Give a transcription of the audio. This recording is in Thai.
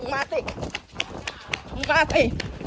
มึงมาสิ